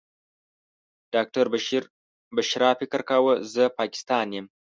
ډاکټره بشرا فکر کاوه زه د پاکستان یم.